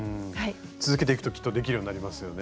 続けていくときっとできるようになりますよね。